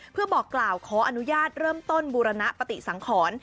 เพื่อบอกกล่าวขออนุญาตเริ่มต้นบูรณปฏิสังขร